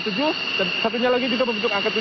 dan satunya lagi juga membentuk angka tujuh